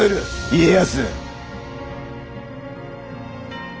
家康。